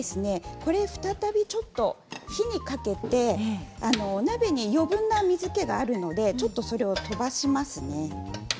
これ、再びちょっと火にかけてお鍋に余分な水けがあるのでちょっとそれを飛ばしますね。